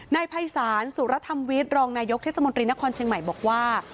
นายภัยศาลสุรธรรมวิทย์รองนายกเทศมนตรีนครเชียงใหม่บอกว่า